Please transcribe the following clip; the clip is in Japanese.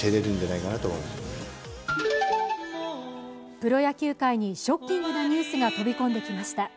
プロ野球界にショッキングなニュースが飛び込んできました。